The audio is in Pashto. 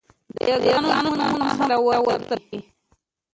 د یاګانو نومونه هم سره ورته دي